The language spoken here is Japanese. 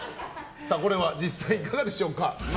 これは実際いかがでしょうか。